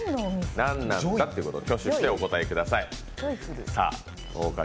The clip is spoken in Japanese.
何なんだということを挙手してお答えください。